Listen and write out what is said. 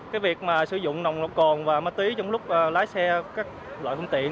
cái việc mà sử dụng nồng độ cồn và ma túy trong lúc lái xe các loại phương tiện